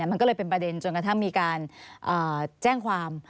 มันก็เลยเป็นประเด็นจนกระทั่งมีการแจ้งความ